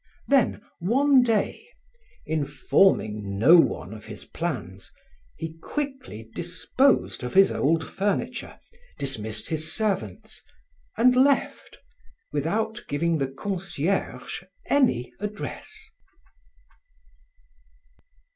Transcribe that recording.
Then, one day, informing no one of his plans, he quickly disposed of his old furniture, dismissed his servants, and left without giving the concierge any address.